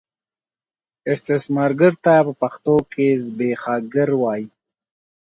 استثمارګر ته په پښتو کې زبېښاکګر وايي.